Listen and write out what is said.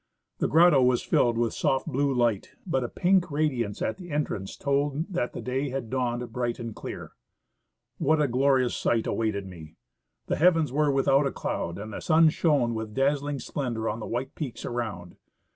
The grotto was filled with a soft blue light, but a pink radiance at the entrance told that the day had dawned bright and clear. What a glorious sight awaited me ! The heavens were with out a cloud, and the sun shone with dazzling splendor on the white peaks around.